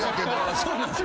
そうなんすよ。